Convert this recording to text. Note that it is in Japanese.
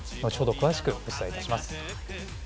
詳しくお伝えいたします。